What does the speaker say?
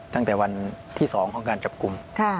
ตั้งแต่วันที่๒ของการจับกลุ่ม